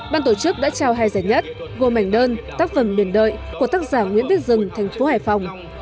ban tổ chức đã trao hai giải nhất gồm ảnh đơn tác phẩm biển đợi của tác giả nguyễn viết rừng thành phố hải phòng